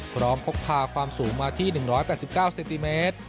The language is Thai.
พกพาความสูงมาที่๑๘๙เซนติเมตร